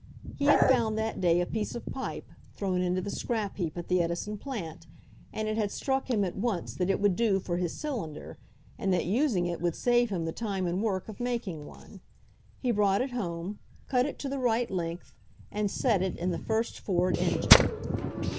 He had found that day a piece of pipe, thrown into the scrap heap at the Edison plant, and it had struck him at once that it would do for his cylinder, and that using it would save him the time and work of making one. He brought it home, cut it to the right length and set it in the first Ford engine.